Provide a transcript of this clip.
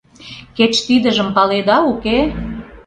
Кеч тидыжым паледа, уке?